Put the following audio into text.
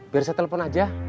biar saya telepon aja